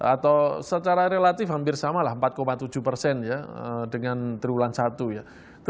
atau secara relatif hampir sama lah empat tujuh persen ya dengan triwulan satu ya